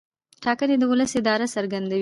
ټاکنې د ولس اراده څرګندوي